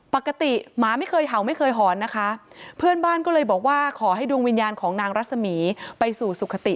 หมาไม่เคยเห่าไม่เคยหอนนะคะเพื่อนบ้านก็เลยบอกว่าขอให้ดวงวิญญาณของนางรัศมีร์ไปสู่สุขติ